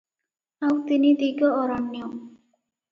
ଆଉ ତିନି ଦିଗ ଅରଣ୍ୟ ।